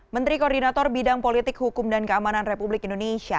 menteri koordinator bidang politik hukum dan keamanan republik indonesia